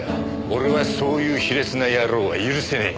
俺はそういう卑劣な野郎は許せねえ。